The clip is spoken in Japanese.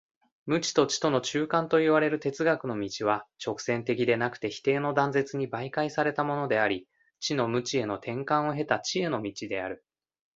無知と知との中間といわれる哲学の道は直線的でなくて否定の断絶に媒介されたものであり、知の無知への転換を経た知への道である。